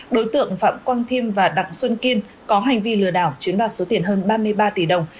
đối tượng phạm quang thiêm và đặng xuân kiên có hành vi lừa đảo chiếm đoạt số tiền hơn ba mươi ba tỷ đồng